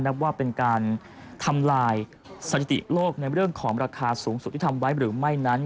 ว่าเป็นการทำลายสถิติโลกในเรื่องของราคาสูงสุดที่ทำไว้หรือไม่นั้น